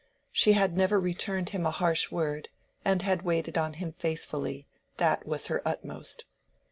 She had never returned him a harsh word, and had waited on him faithfully: that was her utmost.